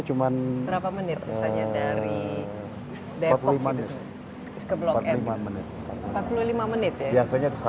cuman berapa menit misalnya dari depok ke blok m empat puluh lima menit empat puluh lima menit ya biasanya